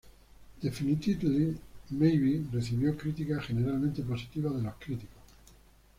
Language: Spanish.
Definitely, Maybe recibió críticas generalmente positivas de los críticos.